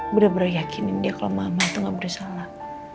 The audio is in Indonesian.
bener bener yakinin dia kalau mama itu gak bersalah